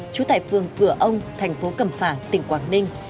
chú tại phường cửa ông thành phố cầm phà tỉnh quảng ninh